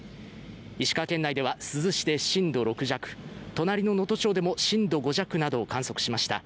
石川県内では珠洲市で震度６弱、隣の能登町でも震度５弱などを観測しました。